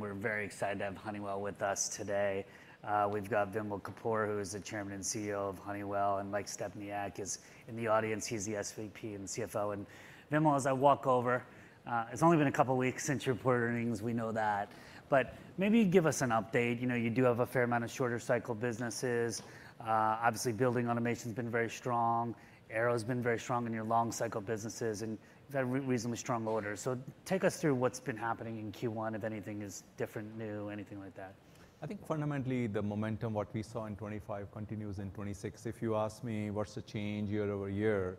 We're very excited to have Honeywell with us today. We've got Vimal Kapur, who is the Chairman and CEO of Honeywell, and Mike Stepniak is in the audience. He's the SVP and CFO. And Vimal, as I walk over, it's only been a couple of weeks since you reported earnings, we know that, but maybe give us an update. You know, you do have a fair amount of shorter cycle businesses. Obviously, Building Automation's been very strong. Aero's been very strong in your long cycle businesses, and you've had reasonably strong orders. So take us through what's been happening in Q1, if anything is different, new, anything like that. I think fundamentally, the momentum, what we saw in 2025 continues in 2026. If you ask me, what's the change year over year?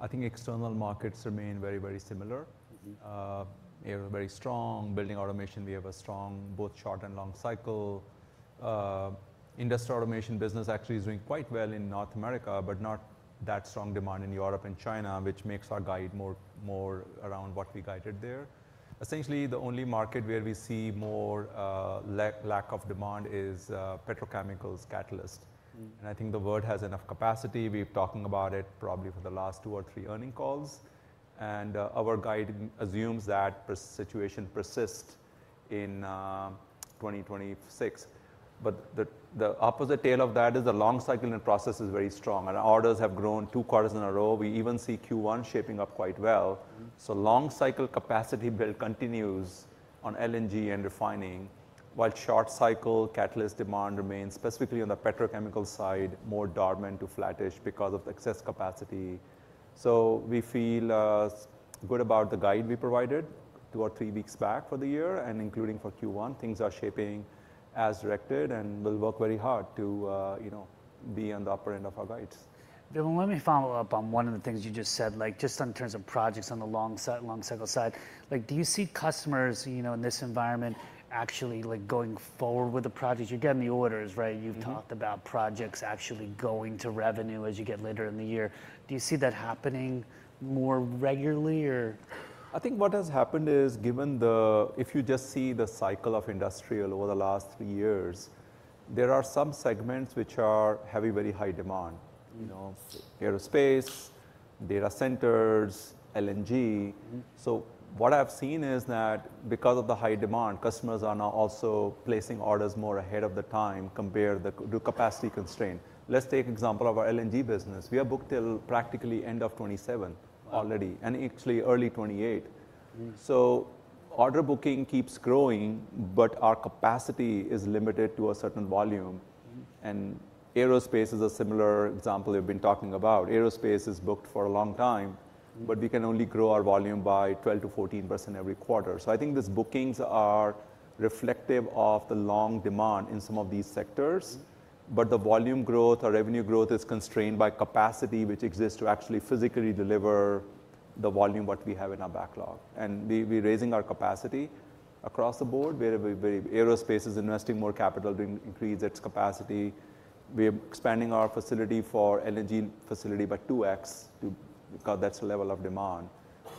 I think external markets remain very, very similar. Mm-hmm. We have a very strong Building Automation. We have a strong, both short and long cycle. Industrial Automation business actually is doing quite well in North America, but not that strong demand in Europe and China, which makes our guide more around what we guided there. Essentially, the only market where we see more lack of demand is petrochemicals catalyst. Mm. I think the world has enough capacity. We're talking about it probably for the last two or three earnings calls, and our guide assumes that this situation persist in 2026. But the opposite tail of that is the long cycle and process is very strong, and orders have grown two quarters in a row. We even see Q1 shaping up quite well. Mm. So long cycle capacity build continues on LNG and refining, while short cycle catalyst demand remains, specifically on the petrochemical side, more dormant to flattish because of excess capacity. So we feel, good about the guide we provided two or three weeks back for the year, and including for Q1, things are shaping as directed, and we'll work very hard to, you know, be on the upper end of our guides. Vimal, let me follow up on one of the things you just said, like, just in terms of projects on the long cycle side. Like, do you see customers, you know, in this environment, actually, like, going forward with the projects? You're getting the orders, right? Mm-hmm. You've talked about projects actually going to revenue as you get later in the year. Do you see that happening more regularly or? I think what has happened is, if you just see the cycle of industrial over the last three years, there are some segments which are having very high demand. Mm-hmm. You know, aerospace, data centers, LNG. Mm-hmm. So what I've seen is that because of the high demand, customers are now also placing orders more ahead of the time compared to the capacity constraint. Let's take example of our LNG business. We are booked till practically end of 2027 already- Wow!... and actually early 2028. Mm. Order booking keeps growing, but our capacity is limited to a certain volume. Mm-hmm. Aerospace is a similar example we've been talking about. Aerospace is booked for a long time- Mm... but we can only grow our volume by 12%-14% every quarter. So I think these bookings are reflective of the long demand in some of these sectors. Mm-hmm. But the volume growth or revenue growth is constrained by capacity, which exists to actually physically deliver the volume, what we have in our backlog. And we, we're raising our capacity across the board, very. Aerospace is investing more capital to increase its capacity. We are expanding our facility for LNG facility by 2x, because that's the level of demand.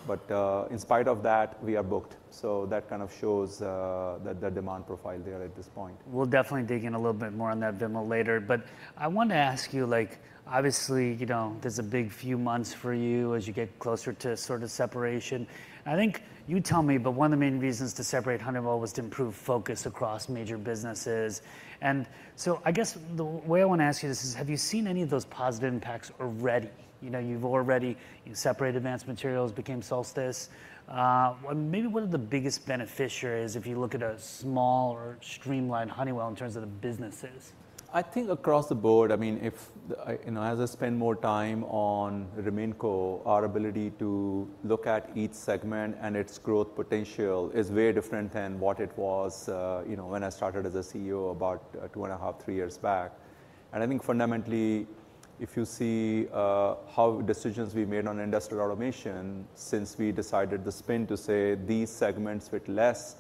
But in spite of that, we are booked. So that kind of shows the demand profile there at this point. We'll definitely dig in a little bit more on that, Vimal, later. But I want to ask you, like, obviously, you know, there's a big few months for you as you get closer to sort of separation. I think you tell me, but one of the main reasons to separate Honeywell was to improve focus across major businesses. And so I guess the way I want to ask you this is, have you seen any of those positive impacts already? You know, you've already, you separated Advanced Materials, became Solstice. Well, maybe what are the biggest beneficiaries if you look at a smaller, streamlined Honeywell in terms of the businesses? I think across the board, I mean, if, I, you know, as I spend more time on RemainCo, our ability to look at each segment and its growth potential is very different than what it was, you know, when I started as CEO about two and a half, three years back. I think fundamentally, if you see how decisions we made on Industrial Automation since we decided to spin to, say, these segments fit less,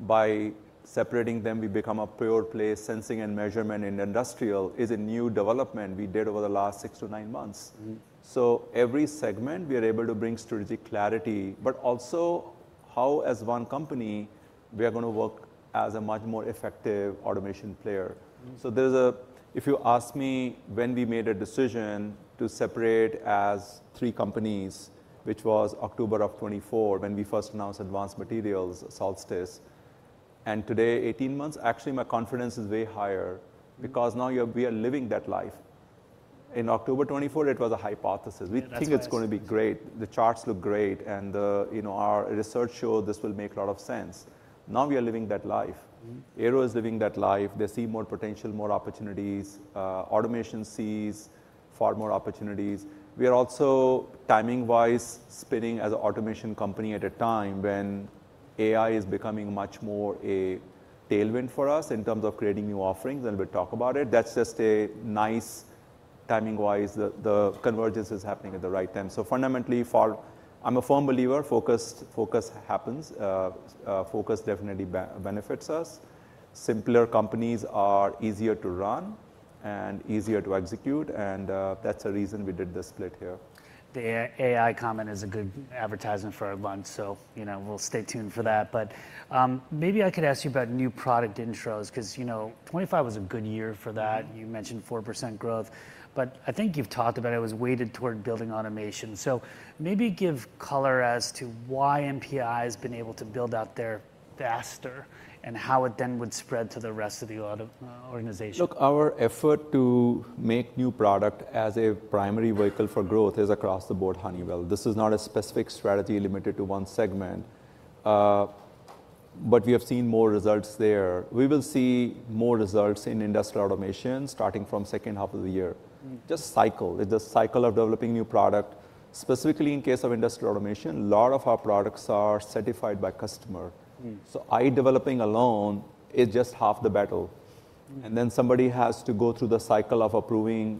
by separating them, we become a pure play. Sensing and measurement in industrial is a new development we did over the last six to nine months. Mm-hmm. Every segment, we are able to bring strategic clarity, but also how, as one company, we are going to work as a much more effective automation player. Mm. So, if you ask me when we made a decision to separate as three companies, which was October of 2024, when we first announced Advanced Materials, Solstice, and today, 18 months, actually, my confidence is way higher- Mm... because now we are, we are living that life. In October 2024, it was a hypothesis. Yeah, that's nice. We think it's going to be great, the charts look great, and, you know, our research show this will make a lot of sense. Now, we are living that life. Mm. Aero is living that life. They see more potential, more opportunities. Automation sees far more opportunities. We are also, timing-wise, spinning as an automation company at a time when AI is becoming much more a tailwind for us in terms of creating new offerings, and we'll talk about it. That's just a nice, timing-wise, the convergence is happening at the right time. So fundamentally, I'm a firm believer, focus happens. Focus definitely benefits us. Simpler companies are easier to run and easier to execute, and that's the reason we did the split here. The AI comment is a good advertisement for our lunch, so, you know, we'll stay tuned for that. But, maybe I could ask you about new product intros, 'cause, you know, 2025 was a good year for that. Mm. You mentioned 4% growth, but I think you've talked about it, it was weighted toward Building Automation. So maybe give color as to why NPI has been able to build out there faster, and how it then would spread to the rest of the automation organization. Look, our effort to make new product as a primary vehicle for growth is across the board, Honeywell. This is not a specific strategy limited to one segment. But we have seen more results there. We will see more results in Industrial Automation, starting from second half of the year. Mm. Just cycle, it's a cycle of developing new product. Specifically in case of Industrial Automation, a lot of our products are certified by customer. Mm. Ideation alone is just half the battle. Mm. Then somebody has to go through the cycle of approving.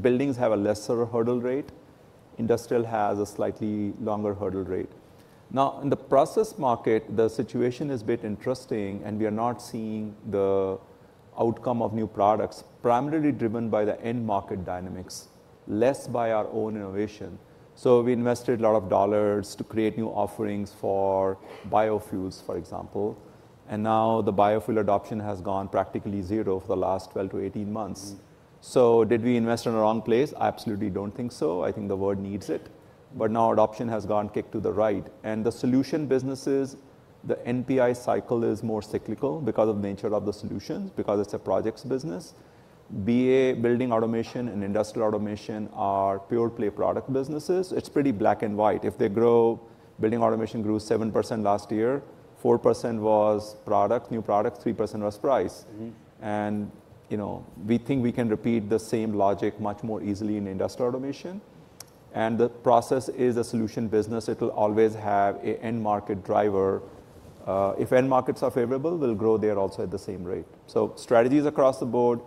Buildings have a lesser hurdle rate, industrial has a slightly longer hurdle rate. Now, in the process market, the situation is a bit interesting, and we are not seeing the outcome of new products, primarily driven by the end market dynamics, less by our own innovation. So we invested a lot of dollars to create new offerings for biofuels, for example, and now the biofuel adoption has gone practically zero for the last 12-18 months. Mm. So did we invest in the wrong place? I absolutely don't think so. I think the world needs it, but now adoption has gone kicked to the right. And the solution businesses, the NPI cycle is more cyclical because of nature of the solutions, because it's a projects business. BA, Building Automation and Industrial Automation are pure play product businesses. It's pretty black and white. If they grow... Building Automation grew 7% last year, 4% was product, new product, 3% was price. Mm-hmm. You know, we think we can repeat the same logic much more easily in Industrial Automation. The process is a solution business. It will always have an end market driver. If end markets are favorable, we'll grow there also at the same rate. Strategies across the board,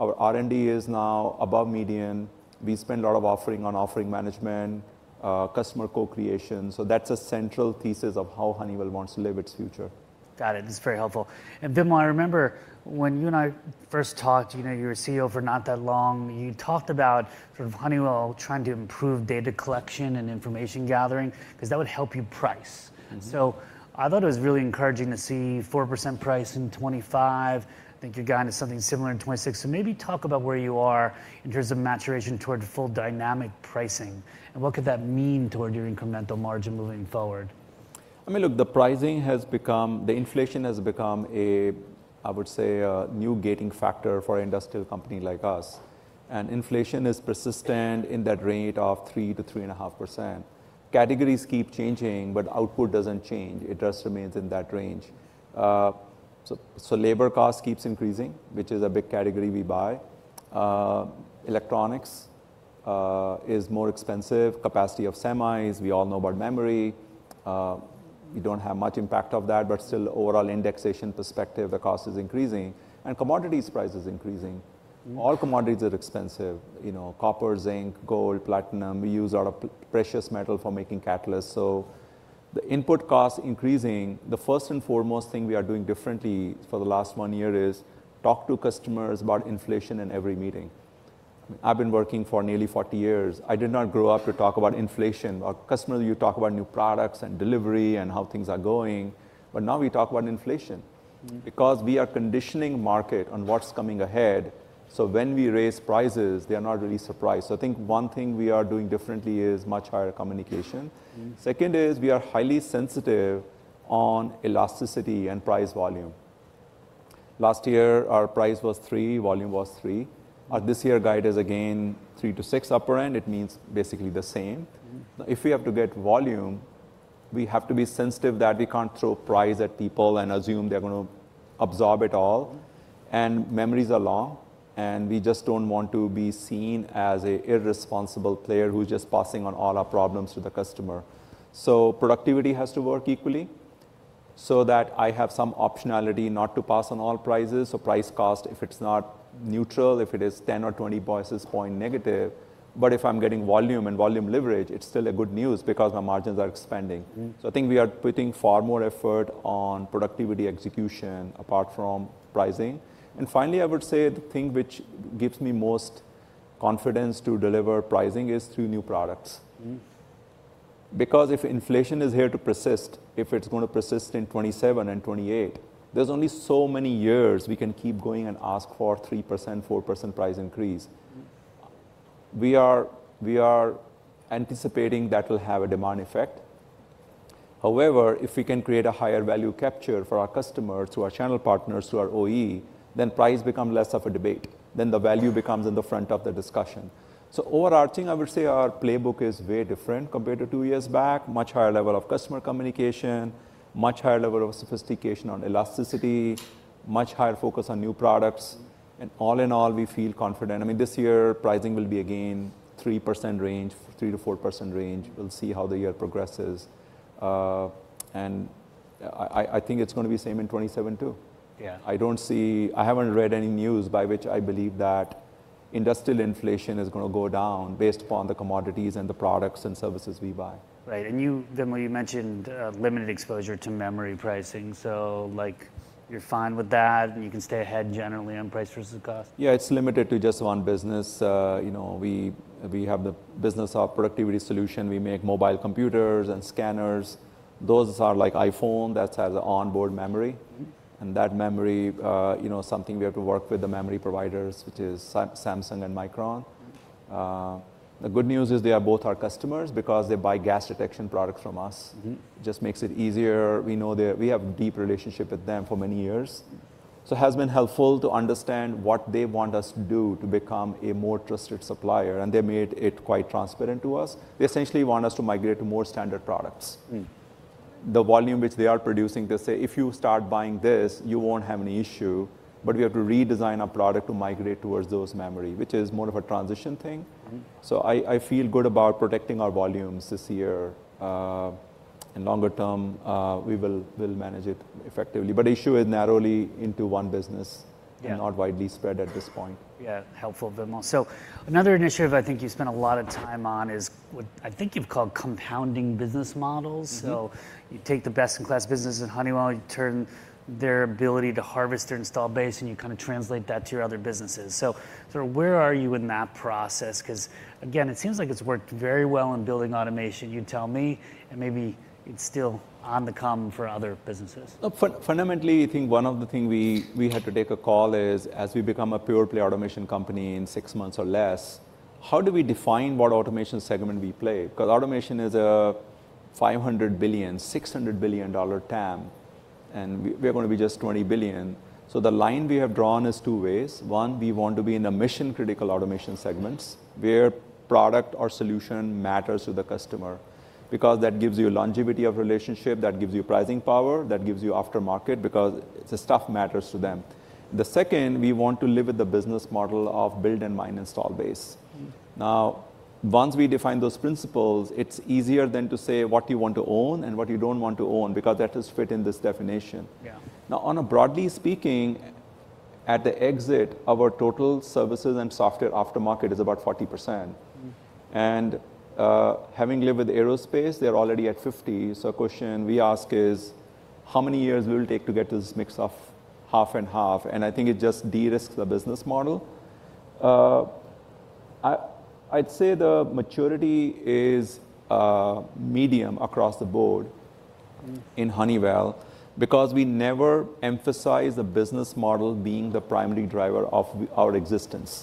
our R&D is now above median. We spend a lot on offering management, customer co-creation, so that's a central thesis of how Honeywell wants to live its future. Got it. This is very helpful. And Vimal, I remember when you and I first talked, you know, you were CEO for not that long. You talked about sort of Honeywell trying to improve data collection and information gathering, 'cause that would help you price. Mm-hmm. So I thought it was really encouraging to see 4% price in 2025. I think you're guided something similar in 2026. So maybe talk about where you are in terms of maturation toward full dynamic pricing, and what could that mean toward your incremental margin moving forward? I mean, look, the pricing has become, the inflation has become a, I would say, a new gating factor for industrial company like us. Inflation is persistent in that range of 3%-3.5%. Categories keep changing, but output doesn't change. It just remains in that range. So labor cost keeps increasing, which is a big category we buy. Electronics is more expensive. Capacity of semis, we all know about memory. We don't have much impact of that, but still, overall indexation perspective, the cost is increasing, and commodities price is increasing. Mm. All commodities are expensive, you know, copper, zinc, gold, platinum. We use a lot of precious metal for making catalysts, so the input cost increasing. The first and foremost thing we are doing differently for the last one year is talk to customers about inflation in every meeting. I've been working for nearly 40 years. I did not grow up to talk about inflation. Our customer, you talk about new products and delivery and how things are going, but now we talk about inflation. Mm... because we are conditioning market on what's coming ahead, so when we raise prices, they are not really surprised. I think one thing we are doing differently is much higher communication. Mm. Second is, we are highly sensitive on elasticity and price volume. Last year, our price was 3, volume was 3. This year, guide is again 3-6 upper end. It means basically the same. Mm. If we have to get volume, we have to be sensitive that we can't throw price at people and assume they're gonna absorb it all. And memories are long, and we just don't want to be seen as an irresponsible player who's just passing on all our problems to the customer. So productivity has to work equally so that I have some optionality not to pass on all prices or price cost if it's not neutral, if it is 10 or 20 basis points negative. But if I'm getting volume and volume leverage, it's still good news because my margins are expanding. Mm. So I think we are putting far more effort on productivity execution apart from pricing. And finally, I would say the thing which gives me most confidence to deliver pricing is through new products. Mm. Because if inflation is here to persist, if it's gonna persist in 2027 and 2028, there's only so many years we can keep going and ask for 3%, 4% price increase. Mm. We are anticipating that will have a demand effect. However, if we can create a higher value capture for our customers, to our channel partners, to our OE, then price become less of a debate, then the value becomes in the front of the discussion. So overarching, I would say our playbook is very different compared to two years back. Much higher level of customer communication, much higher level of sophistication on elasticity, much higher focus on new products, and all in all, we feel confident. I mean, this year, pricing will be again, 3% range, 3%-4% range. We'll see how the year progresses. And I think it's gonna be the same in 2027, too. Yeah. I haven't read any news by which I believe that industrial inflation is gonna go down based upon the commodities and the products and services we buy. Right, and you, Vimal, you mentioned limited exposure to memory pricing, so, like, you're fine with that, and you can stay ahead generally on price versus cost? Yeah, it's limited to just one business. You know, we, we have the business of productivity solution. We make mobile computers and scanners. Those are like iPhone that has onboard memory. Mm. That memory, you know, something we have to work with the memory providers, which is Samsung and Micron. The good news is they are both our customers because they buy gas detection products from us. Mm. Just makes it easier. We know we have a deep relationship with them for many years, so it has been helpful to understand what they want us to do to become a more trusted supplier, and they made it quite transparent to us. They essentially want us to migrate to more standard products. Mm. The volume which they are producing, they say, "If you start buying this, you won't have any issue," but we have to redesign our product to migrate towards those memory, which is more of a transition thing. Mm. So I, I feel good about protecting our volumes this year. In longer term, we'll manage it effectively, but issue is narrowly into one business- Yeah... and not widely spread at this point. Yeah, helpful, Vimal. So another initiative I think you spent a lot of time on is what I think you've called compounding business models. Mm-hmm. So you take the best-in-class business in Honeywell, you turn their ability to harvest their install base, and you kind of translate that to your other businesses. So sort of where are you in that process? 'Cause again, it seems like it's worked very well in Building Automation, you tell me, and maybe it's still on the come for other businesses. Fundamentally, I think one of the things we had to take a call on is, as we become a pure-play automation company in six months or less, how do we define what automation segment we play? 'Cause automation is a $500 billion-$600 billion TAM, and we're gonna be just $20 billion. So the line we have drawn is two ways. One, we want to be in mission-critical automation segments, where product or solution matters to the customer, because that gives you longevity of relationship, that gives you pricing power, that gives you aftermarket, because the stuff matters to them. The second, we want to live with the business model of build and mine install base. Mm. Now, once we define those principles, it's easier then to say what you want to own and what you don't want to own, because that is fit in this definition. Yeah. Now, on a broadly speaking, at the exit, our total services and software aftermarket is about 40%. Mm. Having lived with aerospace, they're already at 50, so question we ask is: How many years will it take to get to this mix of half and half? I think it just de-risks the business model. I'd say the maturity is medium across the board- Mm... in Honeywell, because we never emphasize the business model being the primary driver of our existence.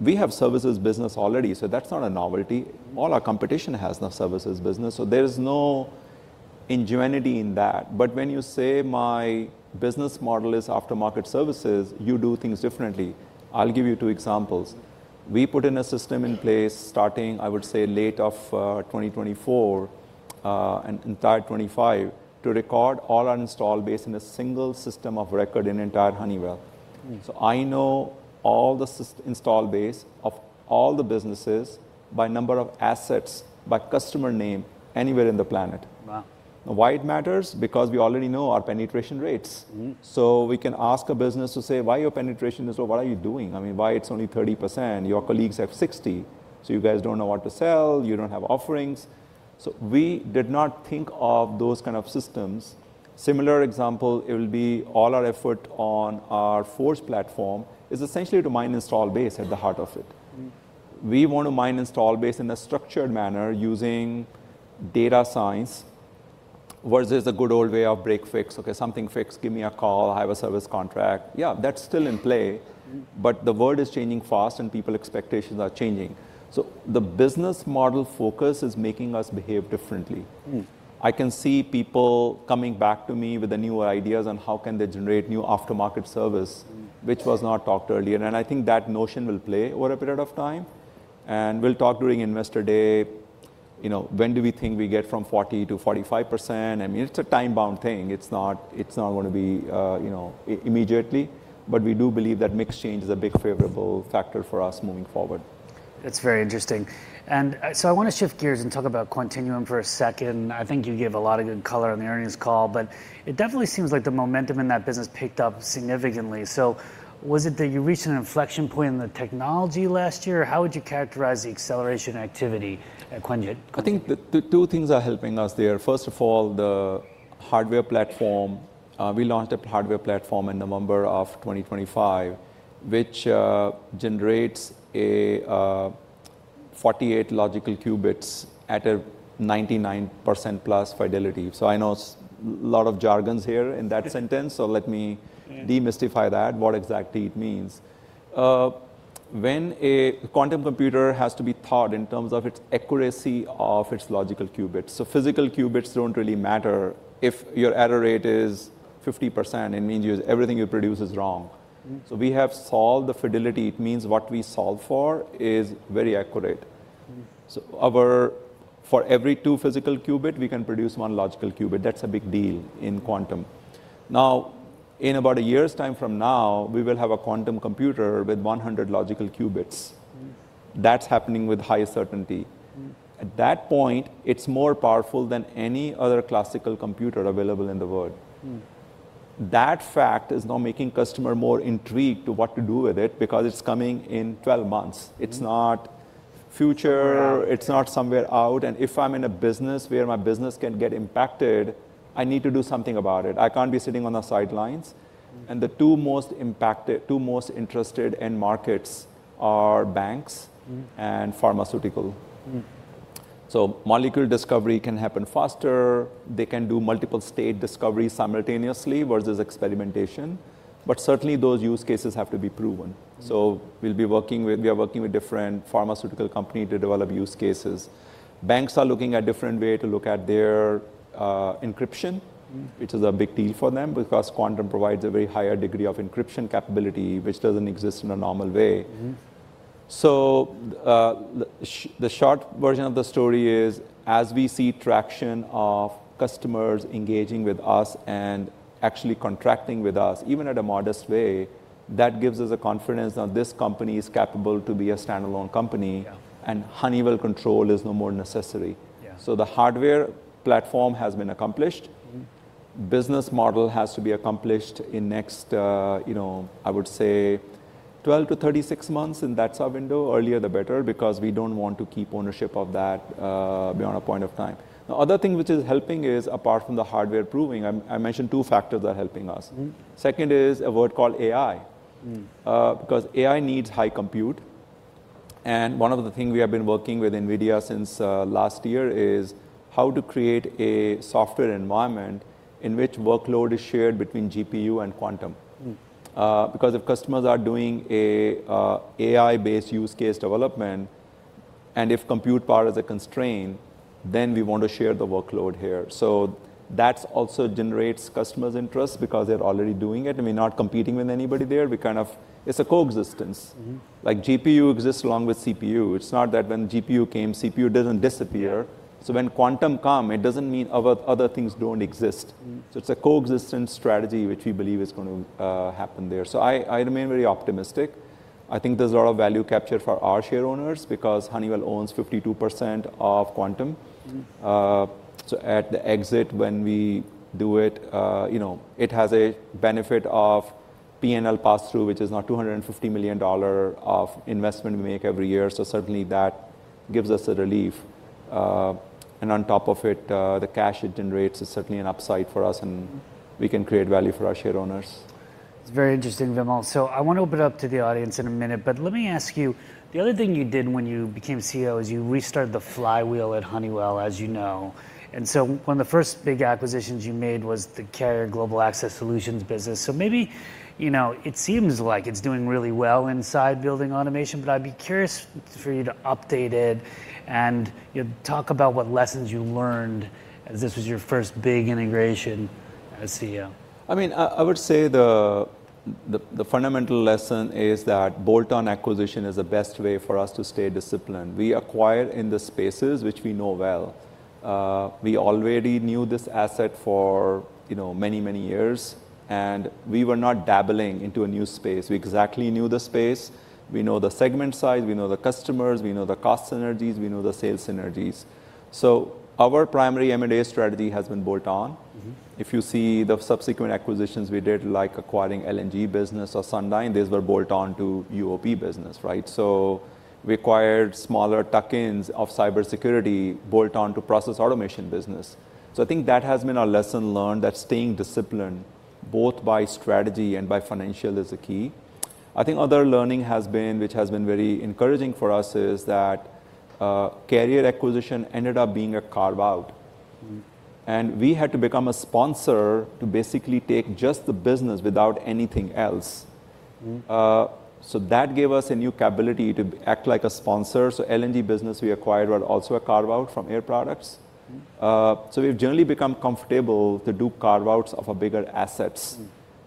Mm. We have services business already, so that's not a novelty. All our competition has the services business, so there's no ingenuity in that. But when you say, "My business model is aftermarket services," you do things differently. I'll give you two examples. We put in a system in place starting, I would say, late of 2024, and entire 2025, to record all our install base in a single system of record in entire Honeywell. Mm. So I know all the installed base of all the businesses by number of assets, by customer name, anywhere in the planet. Wow! Why it matters? Because we already know our penetration rates. Mm-hmm. So we can ask a business to say, "Why your penetration is low? What are you doing? I mean, why it's only 30%, your colleagues have 60%. So you guys don't know what to sell, you don't have offerings?" So we did not think of those kind of systems. Similar example, it will be all our effort on our Forge platform is essentially to mine install base at the heart of it. Mm. We want to mine install base in a structured manner using data science, versus the good old way of break, fix, okay, something fix, give me a call, I have a service contract. Yeah, that's still in play- Mm... but the world is changing fast and people's expectations are changing. So the business model focus is making us behave differently. Mm. I can see people coming back to me with the new ideas on how can they generate new aftermarket service- Mm... which was not talked earlier, and I think that notion will play over a period of time. And we'll talk during Investor Day, you know, when do we think we get from 40%-45%? I mean, it's a time-bound thing. It's not, it's not gonna be, you know, immediately, but we do believe that mix change is a big favorable factor for us moving forward. It's very interesting. So I wanna shift gears and talk about Quantinuum for a second. I think you gave a lot of good color on the earnings call, but it definitely seems like the momentum in that business picked up significantly. So was it that you reached an inflection point in the technology last year, or how would you characterize the acceleration activity at Quantinuum? I think the two things are helping us there. First of all, the hardware platform. We launched a hardware platform in November 2025, which generates a 48 logical qubits at a 99%+ fidelity. So I know a lot of jargons here in that sentence... so let me- Mm... demystify that, what exactly it means. When a Quantum computer has to be taught in terms of its accuracy of its logical qubits, so physical qubits don't really matter. If your error rate is 50%, it means you, everything you produce is wrong. Mm. We have solved the fidelity. It means what we solve for is very accurate. Mm. For every two physical qubit, we can produce one logical qubit. That's a big deal in Quantum. Now, in about a year's time from now, we will have a Quantum computer with 100 logical qubits. Mm. That's happening with high certainty. Mm. At that point, it's more powerful than any other classical computer available in the world. Mm. That fact is now making customers more intrigued to what to do with it, because it's coming in 12 months. Mm. It's not future- Wow!... it's not somewhere out, and if I'm in a business where my business can get impacted, I need to do something about it. I can't be sitting on the sidelines. Mm. The two most impacted, two most interested end markets are banks. Mm... and pharmaceutical. Mm. So molecular discovery can happen faster. They can do multiple state discovery simultaneously, versus experimentation, but certainly, those use cases have to be proven. Mm. We are working with different pharmaceutical company to develop use cases. Banks are looking at different way to look at their encryption- Mm... which is a big deal for them, because Quantum provides a very high degree of encryption capability, which doesn't exist in a normal way. Mm-hmm.... So, the short version of the story is, as we see traction of customers engaging with us and actually contracting with us, even at a modest way, that gives us the confidence that this company is capable to be a standalone company- Yeah. and Honeywell control is no more necessary. Yeah. So the hardware platform has been accomplished. Mm. Business model has to be accomplished in next, you know, I would say 12-36 months, and that's our window. Earlier, the better, because we don't want to keep ownership of that, beyond a point of time. The other thing which is helping is, apart from the hardware proving, I mentioned two factors are helping us. Mm. Second is a word called AI. Mm. Because AI needs high compute, and one of the things we have been working with NVIDIA since last year is how to create a software environment in which workload is shared between GPU and Quantum. Mm. Because if customers are doing a AI-based use case development, and if compute power is a constraint, then we want to share the workload here. So that's also generates customers' interest because they're already doing it. I mean, not competing with anybody there. We kind of... It's a coexistence. Mm-hmm. Like, GPU exists along with CPU. It's not that when GPU came, CPU doesn't disappear. So when Quantum come, it doesn't mean other, other things don't exist. Mm. So it's a coexistence strategy, which we believe is going to happen there. So I remain very optimistic. I think there's a lot of value captured for our shareowners because Honeywell owns 52% of Quantum. Mm. So at the exit, when we do it, you know, it has a benefit of P&L pass-through, which is now $250 million of investment we make every year. So certainly, that gives us a relief. And on top of it, the cash it generates is certainly an upside for us, and we can create value for our shareowners. It's very interesting, Vimal. So I want to open it up to the audience in a minute, but let me ask you, the other thing you did when you became CEO is you restarted the flywheel at Honeywell, as you know, and so one of the first big acquisitions you made was the Carrier Global Access Solutions business. So maybe, you know, it seems like it's doing really well inside Building Automation, but I'd be curious for you to update it and, you know, talk about what lessons you learned, as this was your first big integration as CEO. I mean, I would say the fundamental lesson is that bolt-on acquisition is the best way for us to stay disciplined. We acquire in the spaces which we know well. We already knew this asset for, you know, many, many years, and we were not dabbling into a new space. We exactly knew the space. We know the segment size, we know the customers, we know the cost synergies, we know the sales synergies. So our primary M&A strategy has been bolt-on. Mm-hmm. If you see the subsequent acquisitions we did, like acquiring LNG business or Sundyne, these were bolt-on to UOP business, right? So we acquired smaller tuck-ins of cybersecurity, bolt-on to process automation business. So I think that has been our lesson learned, that staying disciplined, both by strategy and by financial, is a key. I think other learning has been, which has been very encouraging for us, is that, Carrier acquisition ended up being a carve-out. Mm. We had to become a sponsor to basically take just the business without anything else. Mm. That gave us a new capability to act like a sponsor. LNG business we acquired was also a carve-out from Air Products. Mm. We've generally become comfortable to do carve-outs of a bigger assets.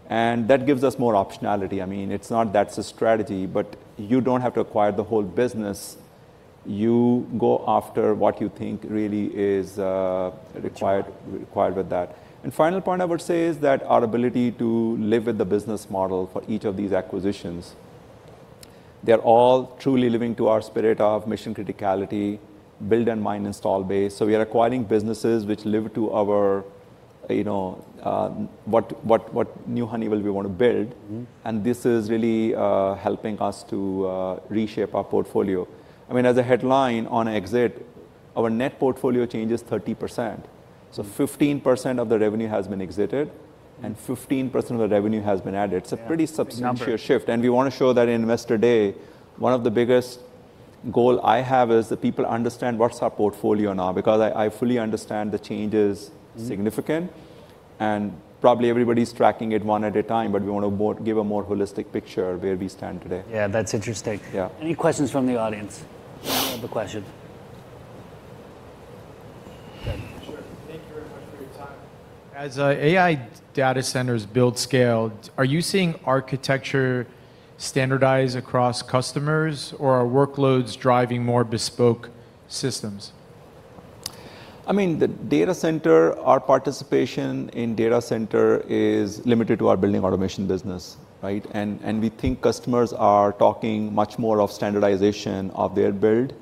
Mm. That gives us more optionality. I mean, it's not that's a strategy, but you don't have to acquire the whole business. You go after what you think really is. Required... required, required with that. And final point I would say is that our ability to live with the business model for each of these acquisitions, they're all truly living to our spirit of mission criticality, build and mine Install base. So we are acquiring businesses which live to our, you know, what new Honeywell we want to build. Mm. This is really helping us to reshape our portfolio. I mean, as a headline on exit, our net portfolio change is 30%. So 15% of the revenue has been exited, and 15% of the revenue has been added. Yeah. It's a pretty substantial shift- Big number. And we want to show that in Investor Day. One of the biggest goal I have is that people understand what's our portfolio now, because I, I fully understand the change is significant. Mm... and probably everybody's tracking it one at a time, but we want to give a more holistic picture of where we stand today. Yeah, that's interesting. Yeah. Any questions from the audience? We have a question. Sure. Thank you very much for your time. As AI data centers build scale, are you seeing architecture standardize across customers, or are workloads driving more bespoke systems? I mean, the data center, our participation in data center is limited to our Building Automation business, right? And we think customers are talking much more of standardization of their build,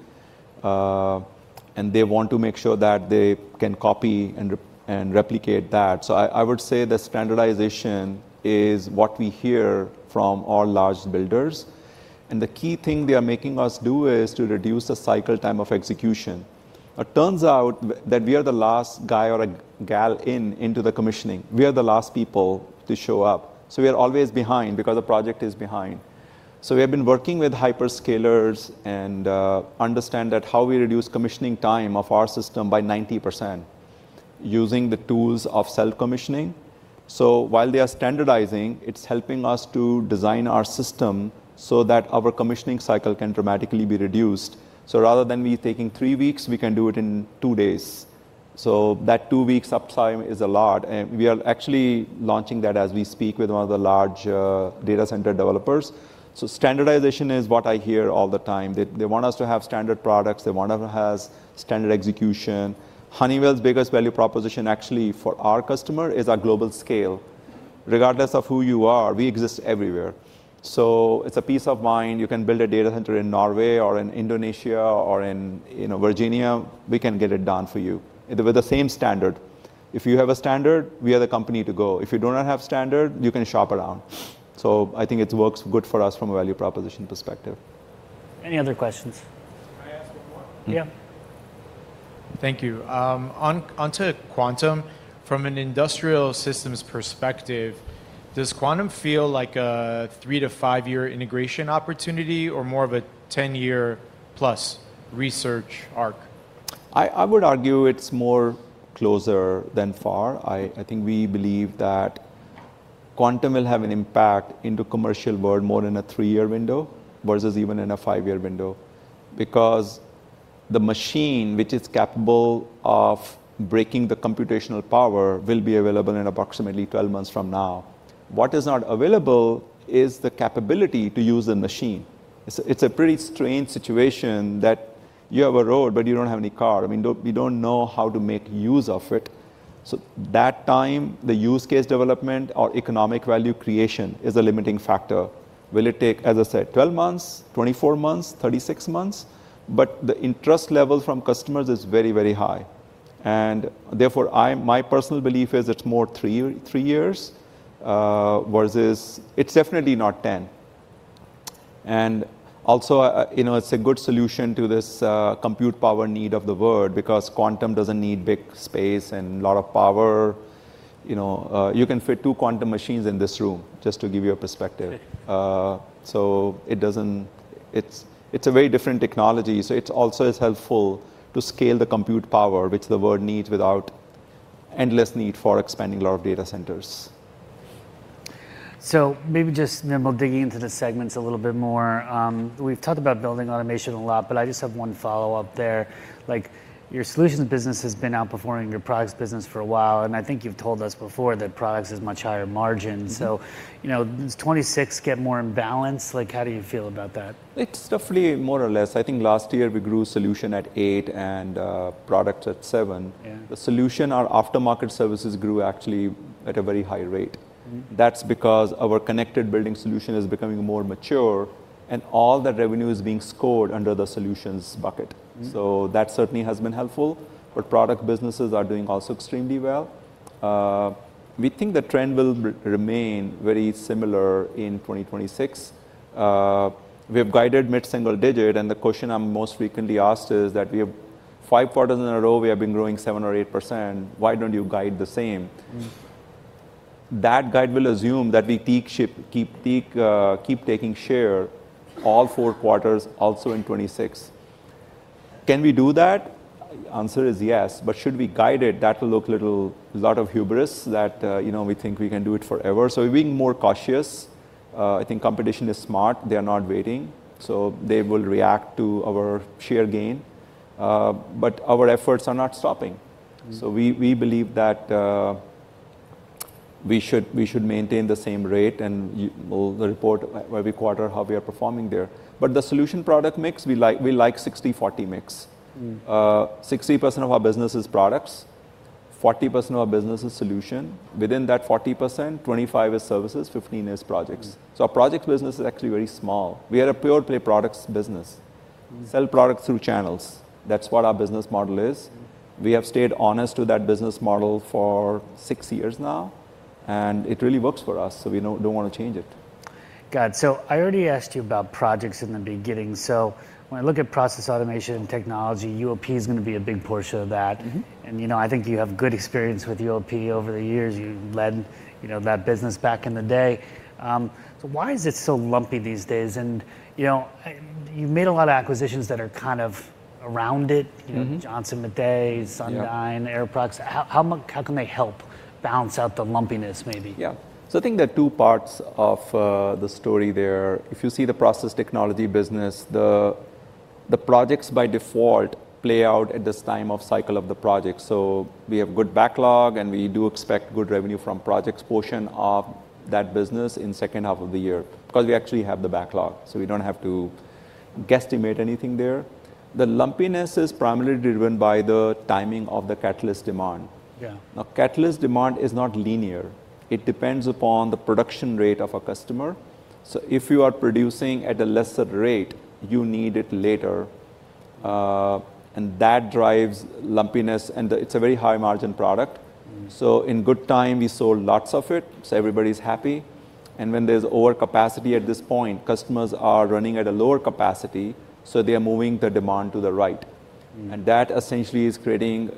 and they want to make sure that they can copy and replicate that. So I would say the standardization is what we hear from our large builders, and the key thing they are making us do is to reduce the cycle time of execution. It turns out that we are the last guy or gal in, into the commissioning. We are the last people to show up, so we are always behind because the project is behind. So we have been working with hyperscalers and understand that how we reduce commissioning time of our system by 90% using the tools of self-commissioning. So while they are standardizing, it's helping us to design our system so that our commissioning cycle can dramatically be reduced. So rather than we taking three weeks, we can do it in two days. So that two-week uptime is a lot, and we are actually launching that as we speak with one of the large data center developers. So standardization is what I hear all the time, that they want us to have standard products, they want to have standard execution. Honeywell's biggest value proposition, actually, for our customer, is our global scale. Regardless of who you are, we exist everywhere. So it's a peace of mind. You can build a data center in Norway or in Indonesia or in, you know, Virginia, we can get it done for you, with the same standard. If you have a standard, we are the company to go. If you do not have standard, you can shop around. I think it works good for us from a value proposition perspective. Any other questions? Can I ask one more? Yeah. Thank you. Onto Quantum, from an industrial systems perspective, does Quantum feel like a three to five-year integration opportunity or more of a 10-year-plus research arc? I would argue it's more closer than far. I think we believe that Quantum will have an impact in the commercial world more in a three-year window, versus even in a five-year window. Because the machine which is capable of breaking the computational power will be available in approximately 12 months from now. What is not available is the capability to use the machine. It's a pretty strange situation, that you have a road, but you don't have any car. I mean, we don't know how to make use of it. So that time, the use case development or economic value creation, is a limiting factor. Will it take, as I said, 12 months, 24 months, 36 months? But the interest level from customers is very, very high, and therefore, I, my personal belief is it's more three-year, three years, versus it's definitely not 10. Also, you know, it's a good solution to this, compute power need of the world, because Quantum doesn't need big space and a lot of power. You know, you can fit two Quantum machines in this room, just to give you a perspective. Right. So it's a very different technology, so it's also is helpful to scale the compute power, which the world needs, without endless need for expanding a lot of data centers. So maybe just, you know, digging into the segments a little bit more, we've talked about Building Automation a lot, but I just have one follow-up there. Like, your solutions business has been outperforming your products business for a while, and I think you've told us before that products is much higher margin. Mm-hmm. You know, does '26 get more in balance? Like, how do you feel about that? It's definitely more or less. I think last year we grew solution at 8% and product at 7%. Yeah. The solution, our aftermarket services grew actually at a very high rate. Mm-hmm. That's because our connected building solution is becoming more mature, and all the revenue is being scored under the solutions bucket. Mm-hmm. So that certainly has been helpful, but product businesses are doing also extremely well. We think the trend will remain very similar in 2026. We have guided mid-single digit, and the question I'm most frequently asked is that we have five quarters in a row, we have been growing 7% or 8%, why don't you guide the same? Mm. That guide will assume that we take share, keep taking share all four quarters, also in 2026. Can we do that? Answer is yes, but should we guide it, that will look little, lot of hubris that, you know, we think we can do it forever. So we're being more cautious. I think competition is smart, they are not waiting, so they will react to our share gain. But our efforts are not stopping. Mm. So we believe that we should maintain the same rate, and we'll report every quarter how we are performing there. But the solution product mix, we like 60/40 mix. Mm. 60% of our business is products, 40% of our business is solution. Within that 40%, 25 is services, 15 is projects. Mm. Our projects business is actually very small. We are a pure play products business. Mm. We sell products through channels. That's what our business model is. We have stayed honest to that business model for six years now, and it really works for us, so we don't want to change it. Got it. I already asked you about projects in the beginning. When I look at process automation and technology, UOP is going to be a big portion of that. Mm-hmm. You know, I think you have good experience with UOP over the years. You led, you know, that business back in the day. So why is it so lumpy these days? You know, you've made a lot of acquisitions that are kind of around it- Mm-hmm... you know, Johnson Matthey- Yeah Sundyne, Air Products. How much can they help balance out the lumpiness, maybe? Yeah. So I think there are two parts of the story there. If you see the process technology business, the projects by default play out at this time of cycle of the project. So we have good backlog, and we do expect good revenue from projects portion of that business in second half of the year, because we actually have the backlog, so we don't have to guesstimate anything there. The lumpiness is primarily driven by the timing of the catalyst demand. Yeah. Now, catalyst demand is not linear. It depends upon the production rate of a customer. So if you are producing at a lesser rate, you need it later, and that drives lumpiness, and it's a very high margin product. Mm. In good time, we sold lots of it, so everybody's happy, and when there's overcapacity at this point, customers are running at a lower capacity, so they are moving the demand to the right. Mm. That essentially is creating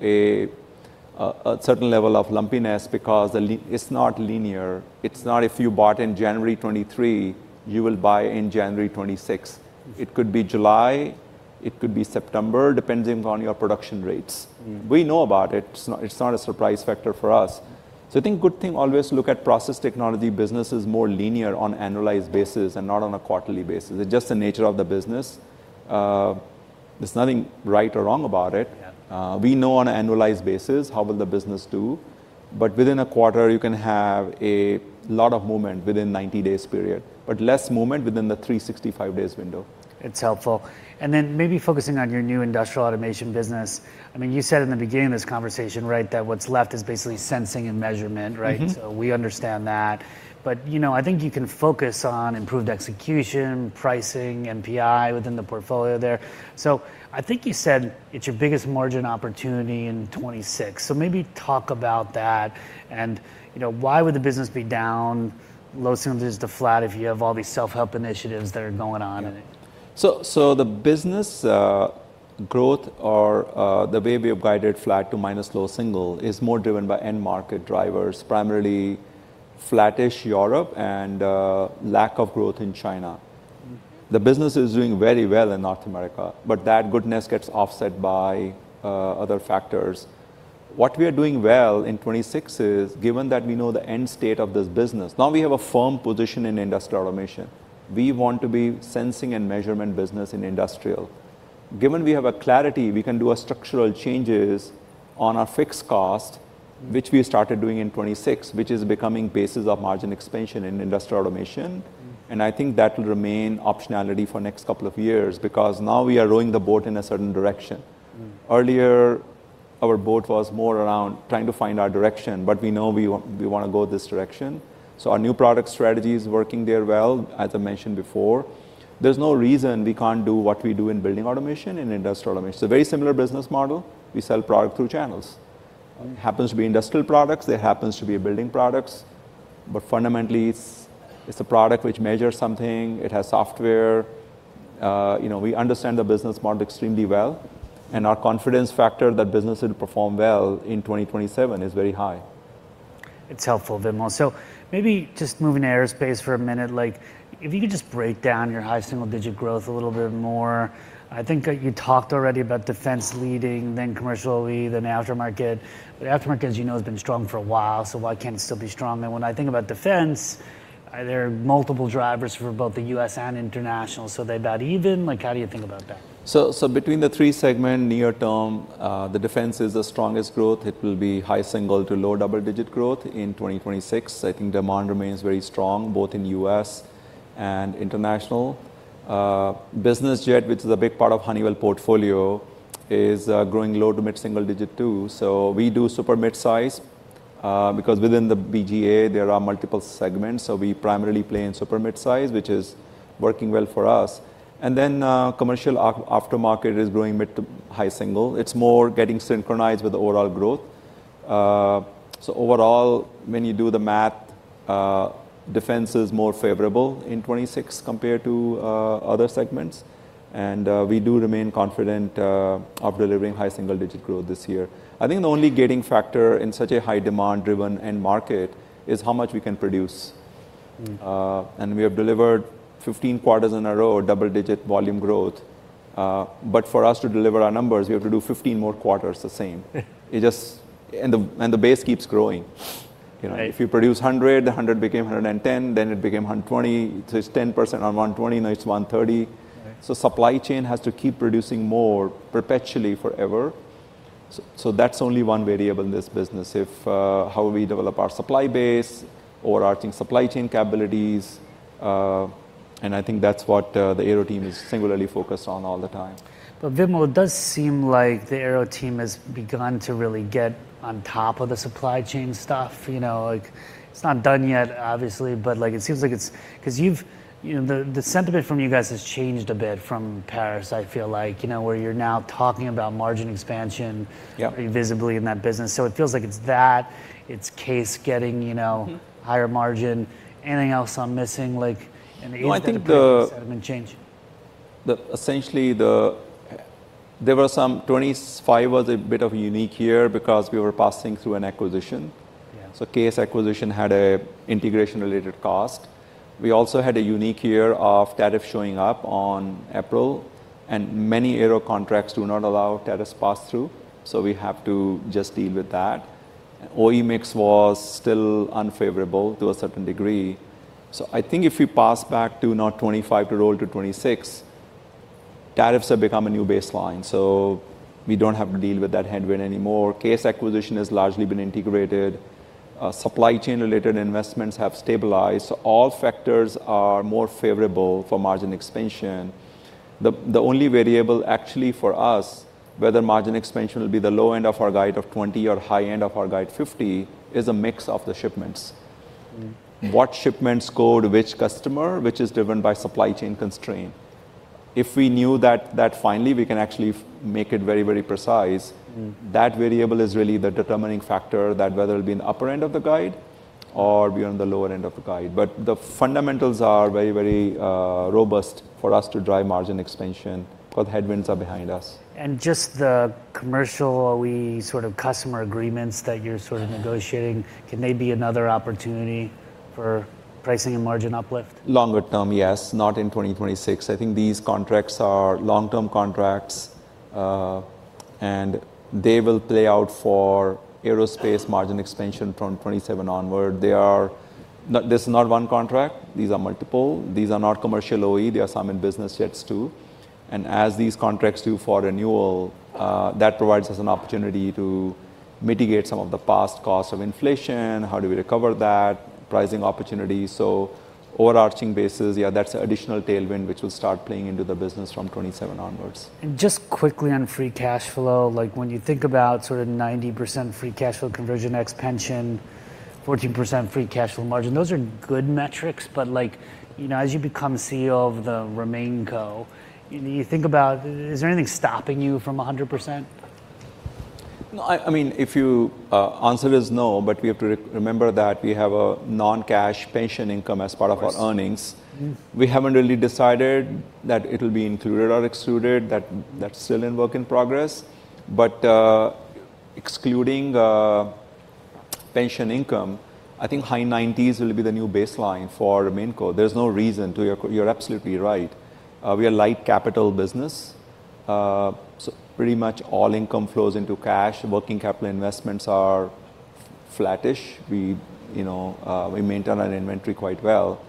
a certain level of lumpiness because it's not linear. It's not if you bought in January 2023, you will buy in January 2026. Mm. It could be July, it could be September, depending on your production rates. Mm. We know about it. It's not, it's not a surprise factor for us.... So I think good thing, always look at process technology. Business is more linear on annualized basis and not on a quarterly basis. It's just the nature of the business. There's nothing right or wrong about it. Yeah. We know on an annualized basis how the business will do, but within a quarter, you can have a lot of movement within a 90-day period, but less movement within the 365-day window. It's helpful. And then maybe focusing on your new Industrial Automation business, I mean, you said in the beginning of this conversation, right, that what's left is basically sensing and measurement, right? Mm-hmm. So we understand that, but, you know, I think you can focus on improved execution, pricing, NPI within the portfolio there. So I think you said it's your biggest margin opportunity in 2026. So maybe talk about that and, you know, why would the business be down low singles to flat if you have all these self-help initiatives that are going on in it? The business growth or the way we have guided flat to minus low single is more driven by end market drivers, primarily flattish Europe and lack of growth in China. Mm. The business is doing very well in North America, but that goodness gets offset by other factors. What we are doing well in 2026 is, given that we know the end state of this business, now we have a firm position in Industrial Automation. We want to be sensing and measurement business in industrial. Given we have a clarity, we can do a structural changes on our fixed cost, which we started doing in 2026, which is becoming basis of margin expansion in Industrial Automation. Mm. I think that will remain optionality for next couple of years because now we are rowing the boat in a certain direction. Mm. Earlier, our boat was more around trying to find our direction, but we know we wanna go this direction, so our new product strategy is working there well, as I mentioned before. There's no reason we can't do what we do in Building Automation in Industrial Automation. It's a very similar business model: we sell product through channels. Mm. Happens to be industrial products, it happens to be building products, but fundamentally, it's, it's a product which measures something. It has software. You know, we understand the business model extremely well, and our confidence factor that business will perform well in 2027 is very high. It's helpful, Vimal. So maybe just moving to aerospace for a minute, like, if you could just break down your high single-digit growth a little bit more. I think that you talked already about defense leading, then commercial OE, then aftermarket. But aftermarket, as you know, has been strong for a while, so why can't it still be strong? And when I think about defense, are there multiple drivers for both the U.S. and international, so they about even? Like, how do you think about that? So, between the three segment, near term, the defense is the strongest growth. It will be high single- to low double-digit growth in 2026. I think demand remains very strong, both in U.S. and international. Business jet, which is a big part of Honeywell portfolio, is growing low- to mid-single-digit, too. So we do super midsize, because within the BGA, there are multiple segments, so we primarily play in super midsize, which is working well for us. And then, commercial aftermarket is growing mid- to high-single. It's more getting synchronized with the overall growth. So overall, when you do the math, defense is more favorable in 2026 compared to other segments. And we do remain confident of delivering high single-digit growth this year. I think the only gating factor in such a high demand-driven end market is how much we can produce. Mm. And we have delivered 15 quarters in a row, double-digit volume growth. But for us to deliver our numbers, we have to do 15 more quarters the same. And the base keeps growing. You know- Right... if you produce 100, a 100 became 110, then it became 120. So it's 10% on 120, now it's 130. Right. So supply chain has to keep producing more perpetually forever. So, so that's only one variable in this business, how we develop our supply base or our supply chain capabilities, and I think that's what the Aero team is singularly focused on all the time. But Vimal, it does seem like the Aero team has begun to really get on top of the supply chain stuff. You know, like, it's not done yet, obviously, but, like, it seems like it's... 'Cause you've-- You know, the, the sentiment from you guys has changed a bit from Paris, I feel like, you know, where you're now talking about margin expansion- Yep... visibly in that business. So it feels like it's that, it's case getting, you know- Mm-hmm... higher margin. Anything else I'm missing, like, in the- Well, I think the- sentiments changing? Essentially, 2025 was a bit of a unique year because we were passing through an acquisition. Yeah. CAES acquisition had an integration-related cost. We also had a unique year of tariff showing up in April, and many Aero contracts do not allow tariffs pass-through, so we have to just deal with that. OE mix was still unfavorable to a certain degree. So I think if we looking back to now 2025 to roll to 2026, tariffs have become a new baseline, so we don't have to deal with that headwind anymore. CAES acquisition has largely been integrated. Supply chain-related investments have stabilized. All factors are more favorable for margin expansion. The only variable actually for us, whether margin expansion will be the low end of our guide of 20 or high end of our guide 50, is a mix of the shipments. Mm. What shipments go to which customer, which is driven by supply chain constraint. If we knew that, that finally, we can actually make it very, very precise. Mm. That variable is really the determining factor that whether it'll be in the upper end of the guide or be on the lower end of the guide. But the fundamentals are very, very, robust for us to drive margin expansion, but headwinds are behind us. Just the commercial OE sort of customer agreements that you're sort of negotiating, can they be another opportunity for pricing and margin uplift? Longer term, yes. Not in 2026. I think these contracts are long-term contracts... and they will play out for aerospace margin expansion from 2027 onward. They are not, this is not one contract, these are multiple. These are not commercial OE, there are some in business jets, too. And as these contracts due for renewal, that provides us an opportunity to mitigate some of the past costs of inflation. How do we recover that? Pricing opportunities. So overarching basis, yeah, that's additional tailwind, which will start playing into the business from 2027 onwards. And just quickly on free cash flow, like, when you think about sort of 90% free cash flow conversion, ex pension, 14% free cash flow margin, those are good metrics. But like, you know, as you become CEO of the RemainCo, you know, you think about, is there anything stopping you from 100%? I mean, if you answer is no, but we have to remember that we have a non-cash pension income as part of- Of course... our earnings. Mm. We haven't really decided that it'll be included or excluded, that's still in work in progress. But, excluding pension income, I think high nineties will be the new baseline for RemainCo. There's no reason to... You're absolutely right. We are light capital business. So pretty much all income flows into cash. Working capital investments are flattish. We, you know, we maintain our inventory quite well.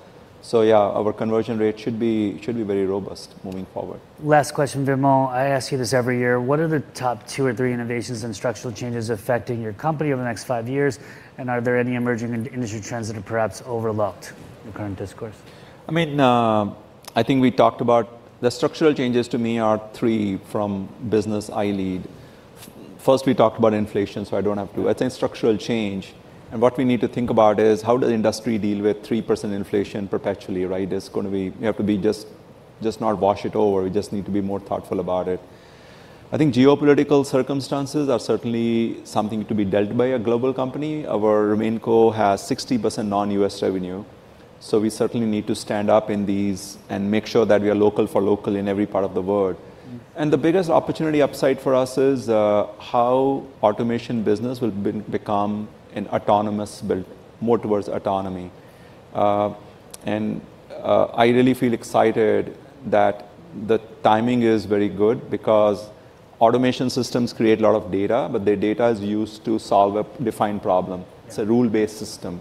So yeah, our conversion rate should be very robust moving forward. Last question, Vimal. I ask you this every year: What are the top two or three innovations and structural changes affecting your company over the next five years? And are there any emerging in-industry trends that are perhaps overlooked in the current discourse? I mean, I think we talked about... The structural changes to me are three from business I lead. First, we talked about inflation, so I don't have to- Mm. I think structural change and what we need to think about is, how does the industry deal with 3% inflation perpetually, right? It's gonna be. We have to be just, just not wash it over. We just need to be more thoughtful about it. I think geopolitical circumstances are certainly something to be dealt by a global company. Our RemainCo has 60% non-US revenue, so we certainly need to stand up in these and make sure that we are local for local in every part of the world. Mm. The biggest opportunity upside for us is how automation business will become an autonomous build, more towards autonomy. I really feel excited that the timing is very good because automation systems create a lot of data, but the data is used to solve a defined problem. Yeah. It's a rule-based system.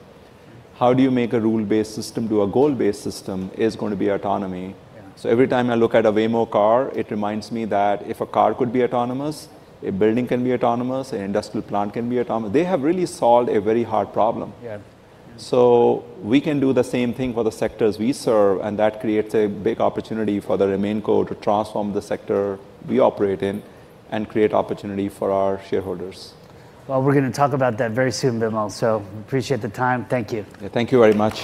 How do you make a rule-based system to a goal-based system? Is gonna be autonomy. Yeah. Every time I look at a Waymo car, it reminds me that if a car could be autonomous, a building can be autonomous, an industrial plant can be autonomous. They have really solved a very hard problem. Yeah. So we can do the same thing for the sectors we serve, and that creates a big opportunity for the RemainCo to transform the sector we operate in and create opportunity for our shareholders. Well, we're gonna talk about that very soon, Vimal, so appreciate the time. Thank you. Thank you very much.